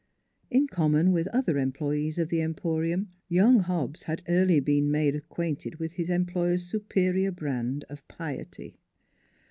In common with other employees of the Emporium, young Hobbs had early been made acquainted with his employer's superior brand of piety.